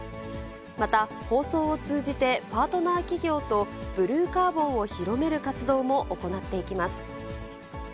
また、放送を通じてパートナー企業とブルーカーボンを広める活動も行っていきます。